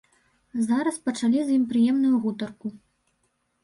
Зараз пачалі з ім прыемную гутарку.